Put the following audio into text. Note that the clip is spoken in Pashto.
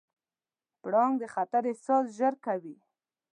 پړانګ د خطر احساس ژر کوي.